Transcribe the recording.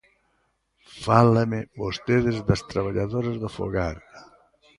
Fálame vostede das traballadoras do fogar.